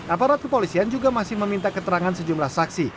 aparat kepolisian juga masih meminta keterangan sejumlah saksi